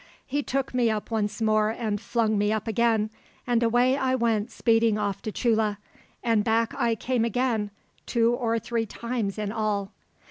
"He took me up once more and flung me up again, and away I went speeding off to Chulla, and back I came again, two or three times in all.